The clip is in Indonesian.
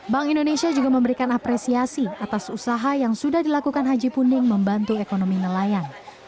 bank indonesia juga memberikan apresiasi atas usaha yang sudah dilakukan haji punding membantu ekonomi nelayan